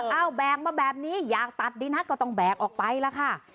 เอาแบกมาแบบนี้อยากตัดดีนะก็ต้องแบกออกไปแล้วค่ะ